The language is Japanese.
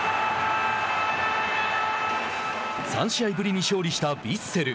３試合ぶりに勝利したヴィッセル。